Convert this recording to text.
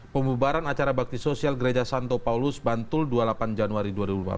pembubaran acara bakti sosial gereja santo paulus bantul dua puluh delapan januari dua ribu delapan belas